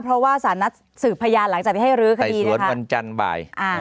เพราะว่าสารนัดสืบพยานหลังจากที่ให้รื้อคดีสวนวันจันทร์บ่าย